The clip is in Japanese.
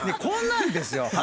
こんなんですよ。